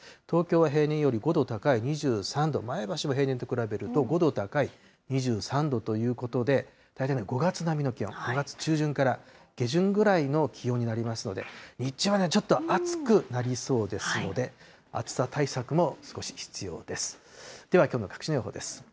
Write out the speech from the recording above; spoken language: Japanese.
東京は平年より５度高い２３度、前橋も平年と比べると５度高い２３度ということで、大体５月並みの気温、５月中旬から下旬ぐらいの気温になりますので、日中はちょっと暑くなりそうですので、暑さ対策も少し必要です。